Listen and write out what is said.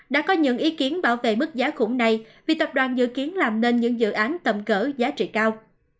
đã có những ý kiến bảo vệ mức giá khủng này vì tập đoàn dự kiến làm nên những dự án tầm cỡ giá trị cao